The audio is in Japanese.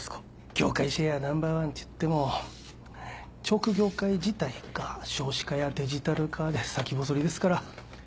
業界シェアナンバーワンっていってもチョーク業界自体が少子化やデジタル化で先細りですから。